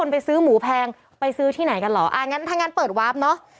ไปซื้อหมูแพงไปซื้อที่ไหนกันเหรออ่างั้นถ้างั้นเปิดวาร์ฟเนอะ